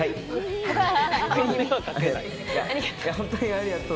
ありがとう。